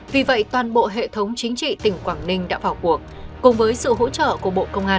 vì vậy toàn bộ hệ thống chính trị tỉnh quảng ninh đã vào cuộc cùng với sự hỗ trợ của bộ công an